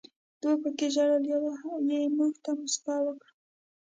دوو پکې ژړل، یوې یې موږ ته موسکا وکړه.